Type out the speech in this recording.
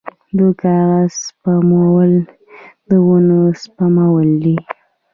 د کاغذ سپمول د ونو سپمول دي